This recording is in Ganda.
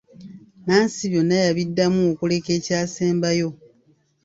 Nnansi byonna yabiddamu okuleka ekyasembayo.